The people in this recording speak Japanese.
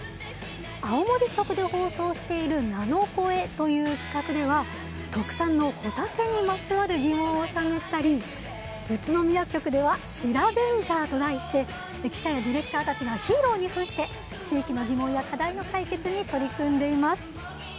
青森局で放送している「ナノコエ」という企画では特産のホタテにまつわる疑問を探ったり宇都宮局では「シラベンジャー」と題して記者やディレクターたちがヒーローにふんして地域の疑問や課題の解決に取り組んでいます。